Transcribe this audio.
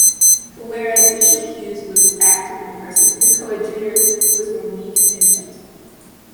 Whereas Bishop Hughes was active and aggressive, his coadjutor was more meek and gentle.